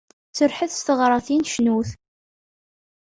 Serrḥet s teɣratin, cnut!